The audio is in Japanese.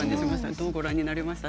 どうご覧になりました？